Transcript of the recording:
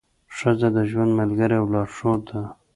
ښځه د ژوند ملګرې او لارښوده ده.